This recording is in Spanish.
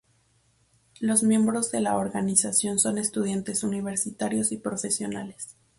Los miembros de la organización son estudiantes universitarios y profesionales.